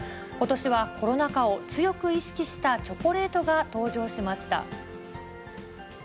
ことしはコロナ禍を強く意識したチョコレートが登場しました。